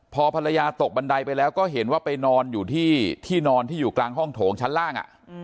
พอภรรยาตกบันไดไปแล้วก็เห็นว่าไปนอนอยู่ที่ที่นอนที่อยู่กลางห้องโถงชั้นล่าง